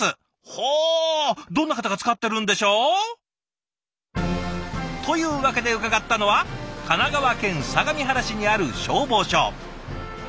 ほうどんな方が使ってるんでしょう？というわけで伺ったのは神奈川県相模原市にある消防署。